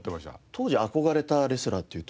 当時憧れたレスラーっていうと？